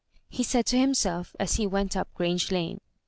" he said to himself as he went up Grange Lane.